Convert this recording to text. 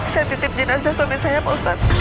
saya titip jenazah suami saya pak ustadz